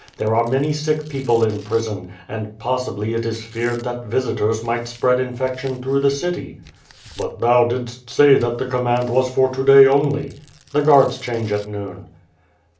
There are many sick people in prison, and possibly it is feared that visitors might spread infection through the city." ^}\\\t thou didst say that the command was for to day only." The guards change at noon."